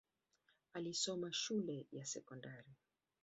Alisoma shule ya sekondari.